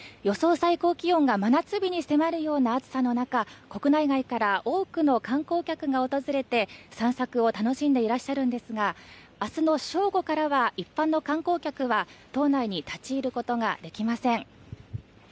最高気温が真夏日に迫るような暑さの中国内外から多くの観光客が訪れて散策を楽しんでいらっしゃるんですが明日の正午からは一般の観光客は島内に立ち入ることができません。